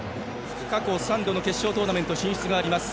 過去３度の決勝トーナメント進出があります。